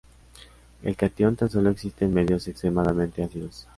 El catión Ta solo existe en medios extremadamente ácidos.